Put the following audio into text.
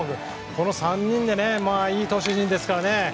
この３人でいい投手陣ですからね。